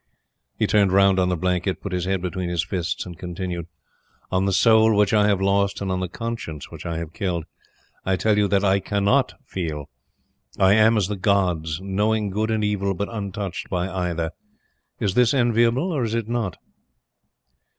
He turned round on the blanket, put his head between his fists and continued: "On the Soul which I have lost and on the Conscience which I have killed, I tell you that I CANNOT feel! I am as the gods, knowing good and evil, but untouched by either. Is this enviable or is it not?"